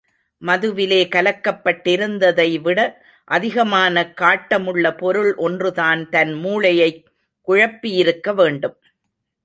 மதுவிலே கலக்கப்பட்டிருந்ததை விட அதிகமான காட்டமுள்ள பொருள் ஒன்றுதான் தன் மூளையைக் குழப்பியிருக்க வேண்டும்.